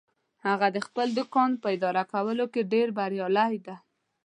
هغه د خپل دوکان په اداره کولو کې ډیر بریالی ده